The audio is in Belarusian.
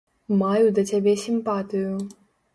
Маю да цябе сімпатыю.